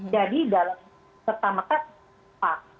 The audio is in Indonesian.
jadi dalam pertama kali